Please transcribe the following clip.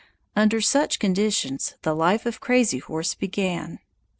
Under such conditions the life of Crazy Horse began.